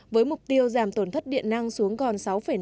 với mục tiêu giảm tổn thất điện năng xuống còn